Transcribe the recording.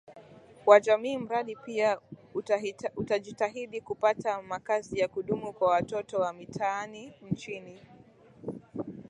wa jamii Mradi pia utajitahidi kupata makazi ya kudumu kwa watoto wa mitaani nchini